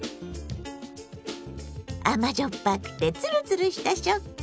甘じょっぱくてつるつるした食感。